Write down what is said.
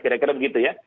kira kira begitu ya